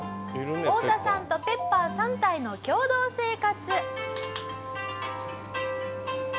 オオタさんとペッパー３体の共同生活。